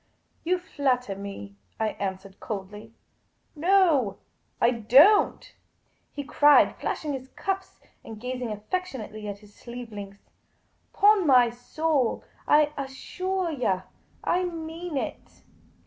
" You flatter me," I answered, coldly. " No, I don't," he cried, flashing his cuffs and gazing affectionately at his sleeve links. " 'Pon my soul, I assuah yah, I mean it.